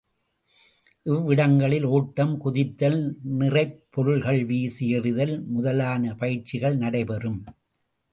இவ்விடங்களில் ஒட்டம், குதித்தல், நிறைப்பொருள்கள் வீசி எறிதல் முதலான பயிற்சிகள் நடைபெறும்.